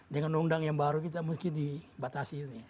dengan undang yang baru kita mungkin dibatasi